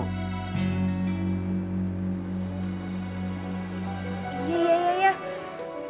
dari mana lo tau